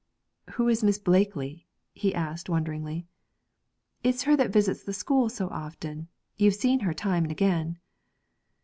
'Who is Miss Blakely?' he asked wonderingly. 'It's her that visits the school so often; you've seen her time and again.'